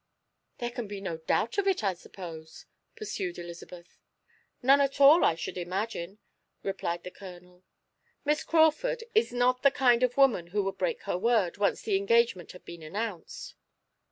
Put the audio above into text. "There can be no doubt of it, I suppose?" pursued Elizabeth. "None at all, I should imagine," replied the Colonel. "Miss Crawford is not the kind of woman who would break her word, once the engagement had been announced."